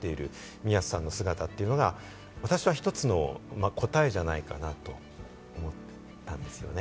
宮津さんの姿が私は一つの答えじゃないかなと思ったんですよね。